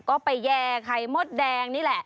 ก็ไปแย่ไข่มดแดงนี่แหละ